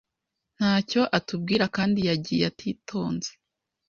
Ntacyo atubwira kandi yagiye atitonze